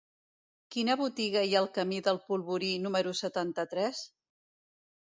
Quina botiga hi ha al camí del Polvorí número setanta-tres?